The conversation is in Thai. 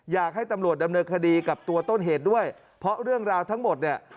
อยากให้ตำรวจดำเนินคดีกับตัวต้นเหตุด้วยเพราะเรื่องราวทั้งหมดเนี่ย